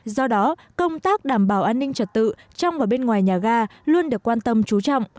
do đó công tác đảm bảo an ninh trật tự trong và bên ngoài nhà ga luôn được quan tâm trú trọng